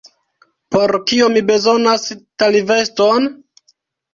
Por kio mi bezonas taliveston?